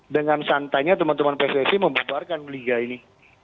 dengan santanya teman teman pssi membebarkan liga ini